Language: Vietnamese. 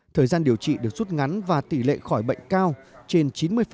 thời gian điều trị được rút ngắn và tỷ lệ khỏi bệnh cao trên chín mươi